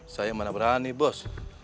saya mana berani bos